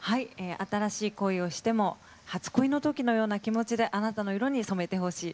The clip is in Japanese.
新しい恋をしても初恋の時のような気持ちであなたの色に染めてほしい。